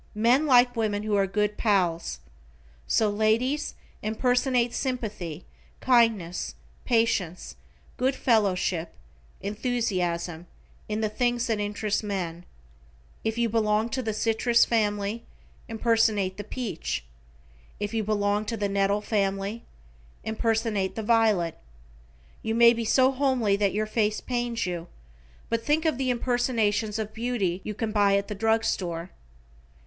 Men like women who are good pals. So ladies impersonate sympathy, kindness, patience, good fellowship, enthusiasm, in the things that interest men. If you belong to the Citrus family, impersonate the Peach. If you belong to the Nettle family, impersonate the Violet. You may be so homely that your face pains you, but think of the impersonations of beauty you can buy at the drug store.